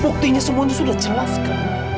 buktinya semuanya sudah jelaskan